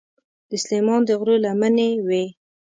د سلیمان د غرو لمنې وې.